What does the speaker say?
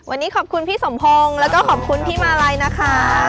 วันนี้ขอบคุณพี่สมพงศ์แล้วก็ขอบคุณพี่มาลัยนะคะ